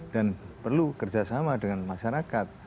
dan perlu kerjasama dengan masyarakat